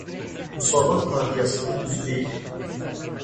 Müsavat partiyasının üzvü idi.